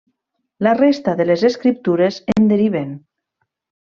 La resta de les escriptures en deriven.